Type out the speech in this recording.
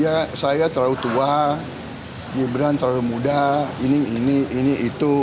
ya saya terlalu tua gibran terlalu muda ini ini ini itu